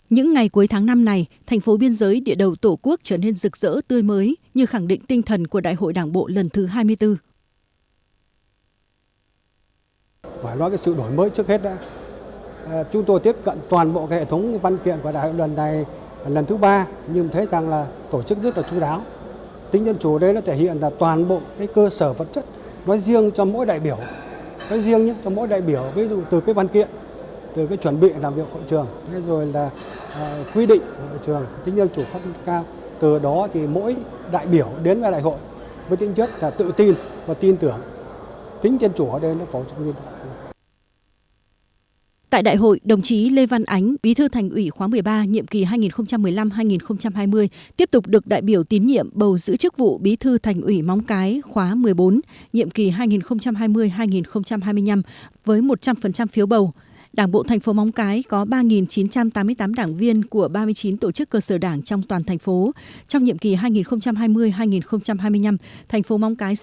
những ngày cuối tháng năm này thành phố biên giới địa đầu tổ quốc trở nên rực rỡ tươi mới như khẳng định tinh thần của đại hội đảng bộ lần thứ hai mươi bốn